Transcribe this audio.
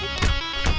ya udah bang